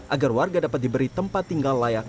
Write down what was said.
agar warga dapat diberi tempat tinggal layak